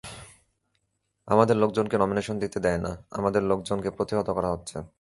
আমাদের লোকজনকে নমিনেশন দিতে দেয় না, আমাদের লোকজনকে প্রতিহত করা হচ্ছে।